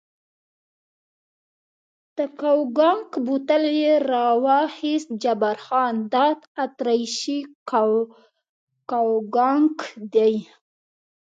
د کوګناک بوتل یې را واخیست، جبار خان: دا اتریشي کوګناک دی.